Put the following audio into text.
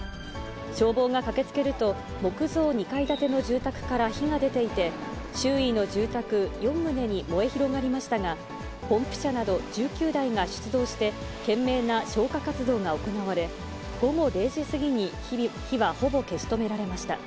消防が駆けつけると、木造２階建ての住宅から火が出ていて、周囲の住宅４棟に燃え広がりましたが、ポンプ車など１９台が出動して、懸命な消火活動が行われ、午後０時過ぎに火はほぼ消し止められました。